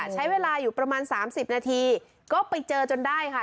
ใช้เวลาอยู่ประมาณ๓๐นาทีก็ไปเจอจนได้ค่ะ